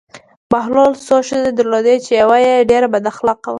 بهلول څو ښځې درلودې چې یوه یې ډېره بد اخلاقه وه.